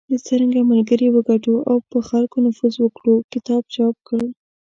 د"څرنګه ملګري وګټو او په خلکو نفوذ وکړو" کتاب چاپ کړ .